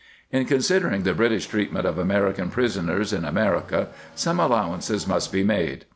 In considering the British treatment of Amer ican prisoners in America some allowances must be made.